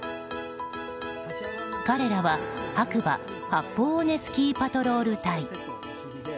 彼らは白馬八方尾根スキーパトロール隊。